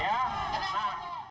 itu yang paling penting